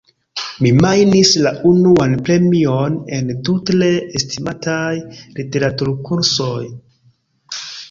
Mi gajnis la unuan premion en du tre estimataj literaturkonkursoj.